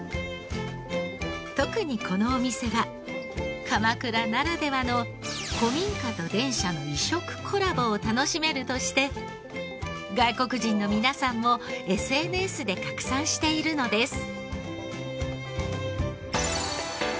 特にこのお店は鎌倉ならではの古民家と電車の異色コラボを楽しめるとして外国人の皆さんもＳＮＳで拡散しているのです。